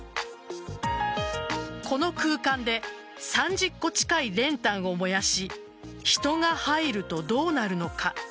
この空間で３０個近い練炭を燃やし人が入るとどうなるのか。